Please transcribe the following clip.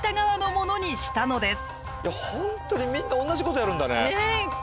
ホントにみんな同じことやるんだね。